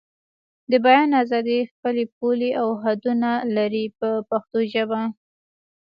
د بیان ازادي خپلې پولې او حدونه لري په پښتو ژبه.